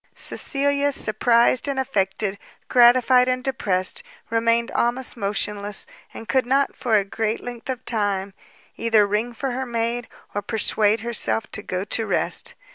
Cecilia, surprised and affected, gratified and depressed, remained almost motionless, and could not, for a great length of time, either ring for her maid, or persuade herself to go to rest.